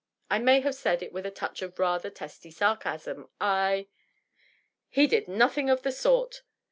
I may have said it with a touch of rather testy sarcasm ; I "" He did nothing of the sort